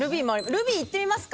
ルビーいってみますか？